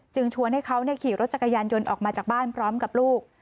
ชวนให้เขาขี่รถจักรยานยนต์ออกมาจากบ้านพร้อมกับลูก